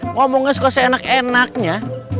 ngomongnya suka seenak enaknya